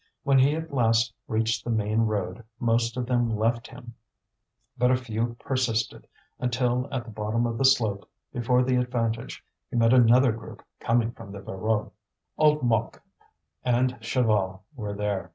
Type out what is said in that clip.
When he at last reached the main road most of them left him; but a few persisted, until at the bottom of the slope before the Avantage he met another group coming from the Voreux. Old Mouque and Chaval were there.